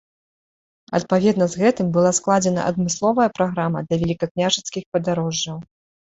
Адпаведна з гэтым была складзена адмысловая праграма для вялікакняжацкіх падарожжаў.